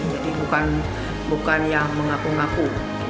jadi bukan yang mengaku ngaku